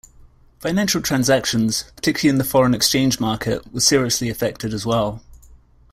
Financial transactions, particularly in the foreign exchange market were seriously affected as well.